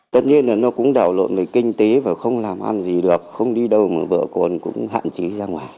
tất nhiên là nó cũng đảo lộn với kinh tế và không làm ăn gì được không đi đâu mà vợ của nó cũng hạn chí ra ngoài